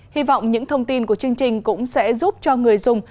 hy vọng những thông tin của chương trình cũng sẽ giúp cho người dùng